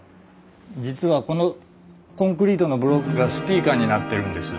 実はこのコンクリートのブロックがスピーカーになってるんです。